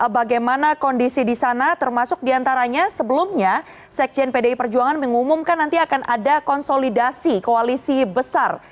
bagaimana kondisi di sana termasuk diantaranya sebelumnya sekjen pdi perjuangan mengumumkan nanti akan ada konsolidasi koalisi besar